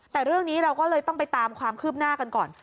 แต่เรื่องนี้เราก็เลยต้องไปตามความคืบหน้ากันก่อน